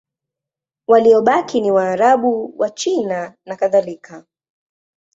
Waliobaki ni Waarabu, Wachina nakadhalika.